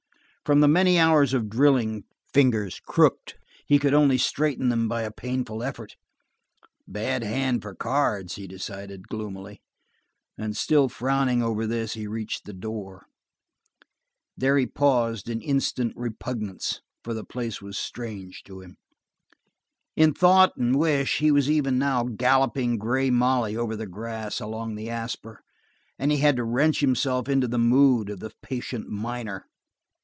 From the many hours of drilling, fingers crooked, he could only straighten them by a painful effort. A bad hand for cards, he decided gloomily, and still frowning over this he reached the door. There he paused in instant repugnance, for the place was strange to him. In thought and wish he was even now galloping Grey Molly over the grass along the Asper, and he had to wrench himself into the mood of the patient miner.